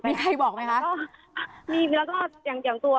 มีใครบอกไหมระ